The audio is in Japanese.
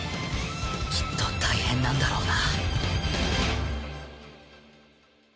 きっと大変なんだろうな